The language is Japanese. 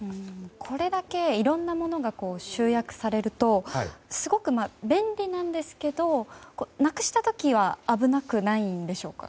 これだけいろんなものが集約されるとすごく、便利なんですけどなくした時は危なくないんでしょうか。